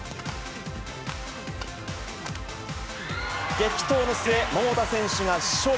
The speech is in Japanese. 激闘の末、桃田選手が勝利。